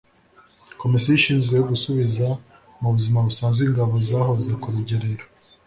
Komisiyo Ishinzwe gusubiza mu buzima busanzwe ingabo zahoze ku rugerero